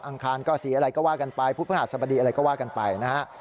คารก็สีอะไรก็ว่ากันไปพุธพระหัสบดีอะไรก็ว่ากันไปนะฮะ